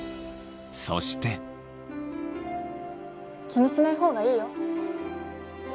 気にしない方がいいよ。